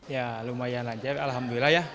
ya lumayan aja alhamdulillah ya